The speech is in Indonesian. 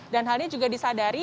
dan hal ini juga disadari